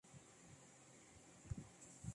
Allí cursó sus estudios primarios hasta quinto año.